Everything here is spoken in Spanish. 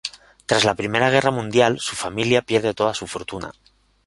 Tras la Primera Guerra Mundial su familia pierde toda su fortuna.